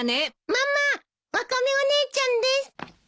ママワカメお姉ちゃんです。